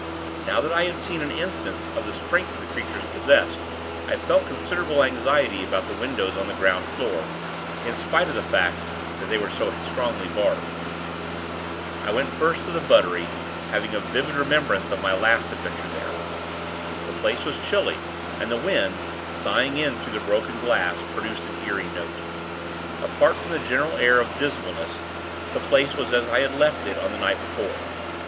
Now that I had seen an instance of the strength the creatures possessed, I felt considerable anxiety about the windows on the ground floor in spite of the fact that they were so strongly barred. I went first to the buttery, having a vivid remembrance of my late adventure there. The place was chilly, and the wind, soughing in through the broken glass, produced an eerie note. Apart from the general air of dismalness, the place was as I had left it the night before.